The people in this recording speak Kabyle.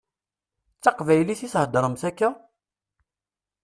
D taqbaylit i theddṛemt akka?